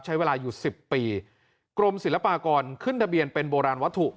ใช้เวลาอยู่สิบปีกรมศิลปากรขึ้นทะเบียนเป็นโบราณวัตถุ